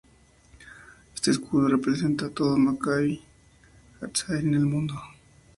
Éste escudo representa a todo Macabi Hatzair en el mundo.